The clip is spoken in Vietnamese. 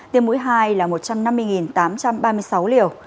tiêm mũi hai là một trăm năm mươi tám trăm ba mươi sáu liều